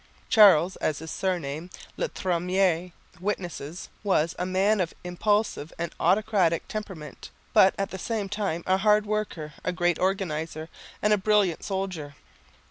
Charles, as his surname le Téméraire witnesses, was a man of impulsive and autocratic temperament, but at the same time a hard worker, a great organiser, and a brilliant soldier.